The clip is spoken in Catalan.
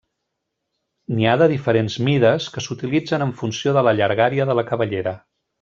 N'hi ha de diferents mides que s'utilitzen en funció de la llargària de la cabellera.